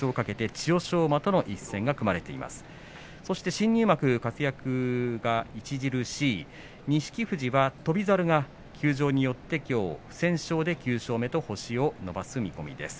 新入幕活躍が著しい錦富士翔猿が休場となってきょう不戦勝で９勝目と星を伸ばす見込みです。